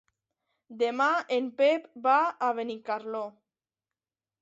Demà en Pep va a Benicarló.